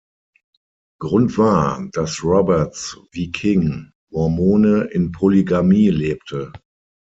Grund war, dass Roberts, wie King Mormone, in Polygamie lebte.